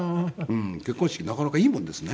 結婚式なかなかいいもんですね。